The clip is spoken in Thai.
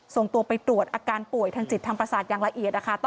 ส่งตัวไปตรวจอาการป่วยทางจิตทางประสาทอย่างละเอียด